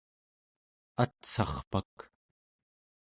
atsarpak